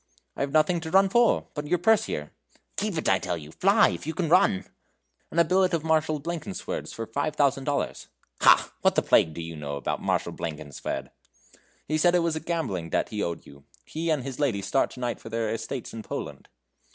"I have nothing to run for. But your purse, here " "Keep it, I tell you. Fly! if you can run." "And a billet of Marshal Blankenswerd's for five thousand dollars " "Ha! what the plague do you know about Marshal Blankenswerd?" "He said it was a gambling debt he owed you. He and his lady start to night for their estates in Poland."